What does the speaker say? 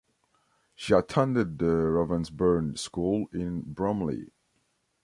She attended the Ravensbourne School in Bromley.